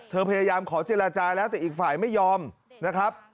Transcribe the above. พยายามขอเจรจาแล้วแต่อีกฝ่ายไม่ยอมนะครับ